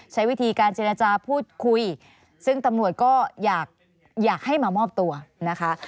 ใช้วิธีการเจรจาพูดคุยซึ่งตำรวจก็อยากให้มามอบตัวนะคะ